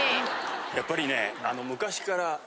やっぱりねあの。